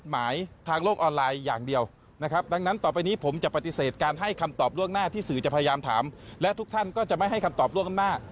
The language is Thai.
ไม่ต้องพยายามถามและทุกท่านก็จะไม่ให้คำตอบล่วงหน้า